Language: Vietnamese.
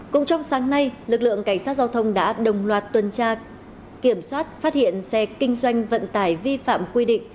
cũng trong sáng nay lực lượng cảnh sát giao thông đã đồng loạt tuần tra kiểm soát phát hiện xe kinh doanh vận tải vi phạm quy định